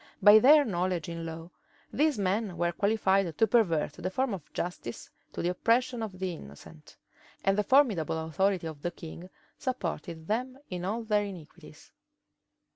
By their knowledge in law, these men were qualified to pervert the forms of justice to the oppression of the innocent; and the formidable authority of the king supported them in all their iniquities.